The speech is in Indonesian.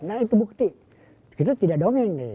nah itu bukti kita tidak dongeng nih